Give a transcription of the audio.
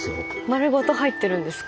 丸ごと入ってるんですか？